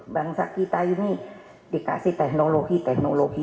bangsa kita ini dikasih teknologi teknologi